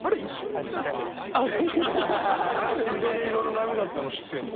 なんで緑色の波だったの知ってんの？